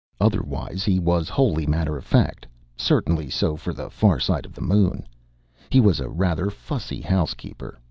Otherwise, he was wholly matter of fact certainly so for the far side of the Moon. He was a rather fussy housekeeper.